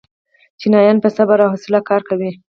چینایان په صبر او حوصله کار کوي.